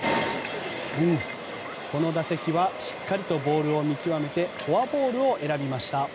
この打席はしっかりとボールを見極めてフォアボールを選びました。